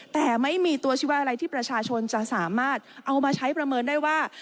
แต่ไม่มีตัวชีวอะไรที่ประชาชนจะสามารถเอามาใช้ประเมินได้ว่า